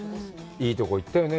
いいところ行ったよね。